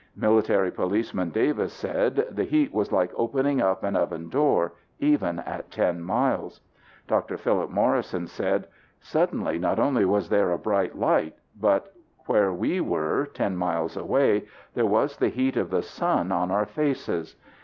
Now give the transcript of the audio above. Military policeman Davis said, "The heat was like opening up an oven door, even at 10 miles." Dr. Phillip Morrison said, "Suddenly, not only was there a bright light but where we were, 10 miles away, there was the heat of the sun on our faces....